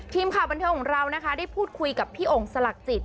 ทีมข่าวบันเทิงของเรานะคะได้พูดคุยกับพี่โอ่งสลักจิต